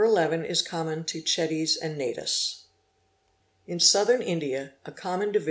11 is common to Chetties and Naidus. In Southern India a common — co...